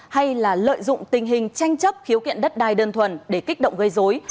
hay là lợi dụng tình hình tranh chấp khiếu kiện đất đai đơn thuần để kích động gây dối